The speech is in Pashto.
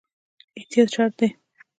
احتیاط شرط دی